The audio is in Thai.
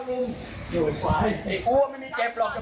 ยิงเปิ๊กยิงมาไม่ยิงทำไม